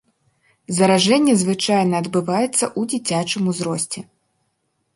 Заражэнне звычайна адбываецца ў дзіцячым узросце.